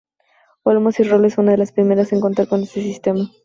Olmos y Robles fue una de las primeras en contar con este sistema.